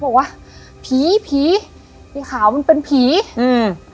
บอกว่าผีผีไอ้ขาวมันเป็นผีอืม